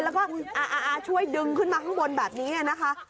แล้วก็ช่วยดึงขึ้นมาข้างบนแบบนี้นะคะ